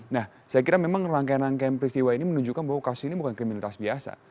nah saya kira memang rangkaian rangkaian peristiwa ini menunjukkan bahwa kasus ini bukan kriminalitas biasa